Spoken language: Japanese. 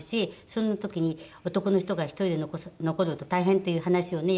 その時に男の人が１人で残ると大変っていう話をね